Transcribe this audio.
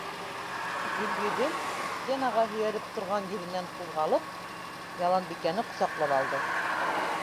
Гөлйөҙөм, стенаға һөйәлеп торған еренән ҡуҙғалып, Яланбикәне ҡосаҡлап алды: